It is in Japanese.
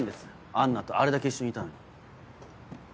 アンナとあれだけ一緒にいたのに。